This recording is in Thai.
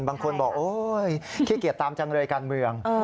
บางคนบอกโอ๊ยขี้เกียจตามจังเลยการเมือง